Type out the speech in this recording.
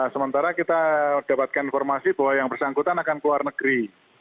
sementara kita dapatkan informasi bahwa yang bersangkutan akan keluar negeri